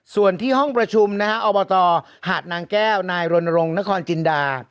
ส่วนที่ห้องประชุมนะฮะอบตหาดนางแก้วนายรณรงค์นครจินดา